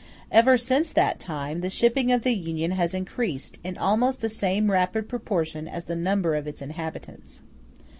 Ever since that time, the shipping of the Union has increased in almost the same rapid proportion as the number of its inhabitants.